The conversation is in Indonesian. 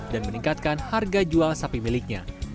dan meningkatkan harga jual sapi miliknya